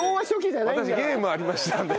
私ゲームありましたんで。